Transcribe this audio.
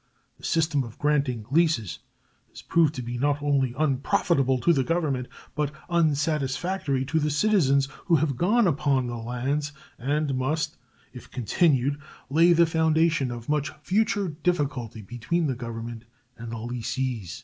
The system of granting leases has proved to be not only unprofitable to the Government, but unsatisfactory to the citizens who have gone upon the lands, and must, if continued, lay the foundation of much future difficulty between the Government and the lessees.